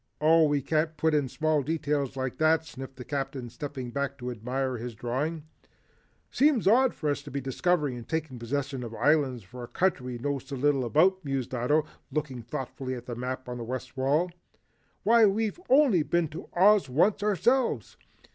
"Oh, we can't put in small details like that," sniffed the Captain stepping back to admire his drawing. "Seems odd for us to be discovering and taking possession of islands for a country we know so little about," mused Ato, looking thoughtfully at the map on the west wall. "Why, we've only been to Oz once ourselves."